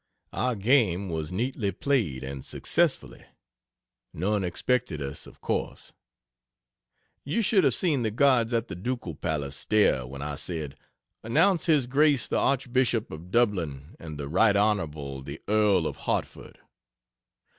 Our game was neatly played, and successfully. None expected us, of course. You should have seen the guards at the ducal palace stare when I said, "Announce his grace the Archbishop of Dublin and the Rt. Hon. the Earl of Hartford."